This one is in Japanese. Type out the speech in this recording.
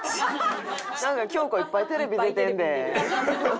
「なんか京子いっぱいテレビ出てんで」。